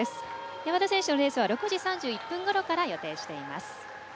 山田選手のレースは６時３１分ごろから予定しています。